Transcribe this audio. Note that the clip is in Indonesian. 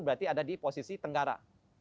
berarti ada di posisi tenggara